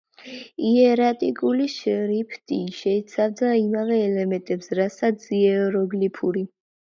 იერატიკული შრიფტი შეიცავდა იმავე ელემენტებს, რასაც იეროგლიფური.